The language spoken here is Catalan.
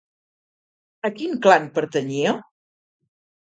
A quin clan pertanyia?